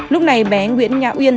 lúc này bé nguyễn nhã uyên